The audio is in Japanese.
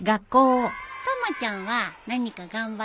たまちゃんは何か頑張った？